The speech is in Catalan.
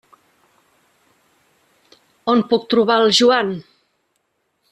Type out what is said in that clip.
On puc trobar el Joan?